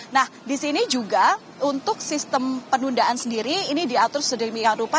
nah di sini juga untuk sistem penundaan sendiri ini diatur sedemikian rupa